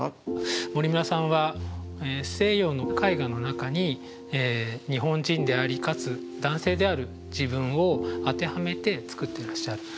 森村さんは西洋の絵画の中に日本人でありかつ男性である自分を当てはめて作ってらっしゃる。